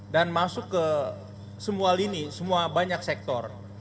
dan masuk ke semua lini semua banyak sektor